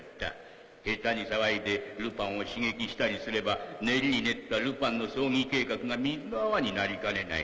下手に騒いでルパンを刺激したりすれば練りに練ったルパンの葬儀計画が水の泡になりかねない。